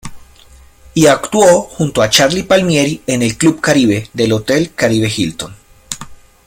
Y actuó junto a Charlie Palmieri en el Club Caribe, del Hotel Caribe Hilton.